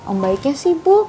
om baiknya sibuk